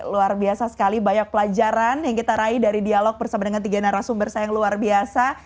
luar biasa sekali banyak pelajaran yang kita raih dari dialog bersama dengan tiga narasumber saya yang luar biasa